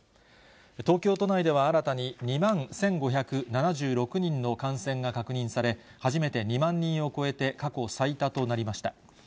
東京都内では新たに２万１５７６人の感染が確認され、初めて２万人を超えて、過去最多となりました。